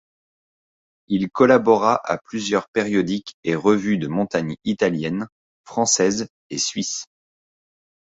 Il collabora à plusieurs périodiques et revues de montagne italiennes, françaises et suisses.